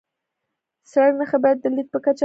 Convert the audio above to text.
د سړک نښې باید د لید په کچه ښکاره وي.